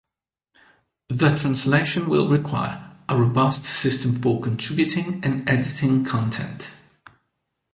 The translation will require a robust system for contributing and editing content.